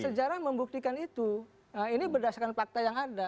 sejarah membuktikan itu ini berdasarkan fakta yang ada